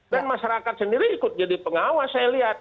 dan masyarakat sendiri ikut jadi pengawas saya lihat